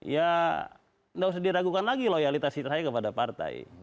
ya tidak usah diragukan lagi loyalitas saya kepada partai